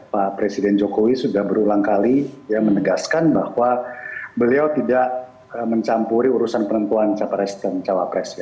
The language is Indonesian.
pak presiden jokowi sudah berulang kali menegaskan bahwa beliau tidak mencampuri urusan cawapres